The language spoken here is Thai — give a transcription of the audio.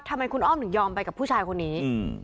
ทำไมคุณอ้อมถึงยอมไปกับผู้ชายคนนี้